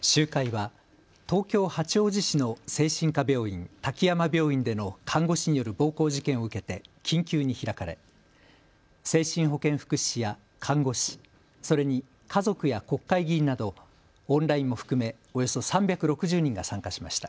集会は東京八王子市の精神科病院、滝山病院での看護師による暴行事件を受けて緊急に開かれ精神保健福祉士や看護師、それに家族や国会議員などオンラインも含めおよそ３６０人が参加しました。